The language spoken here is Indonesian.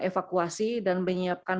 evakuasi dan menyiapkan